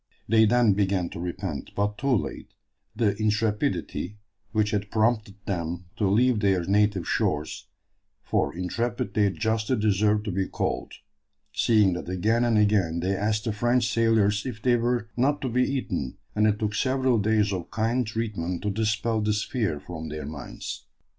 They then began to repent, but too late, the intrepidity which had prompted them to leave their native shores; for intrepid they justly deserve to be called, seeing that again and again they asked the French sailors if they were not to be eaten, and it took several days of kind treatment to dispel this fear from their minds.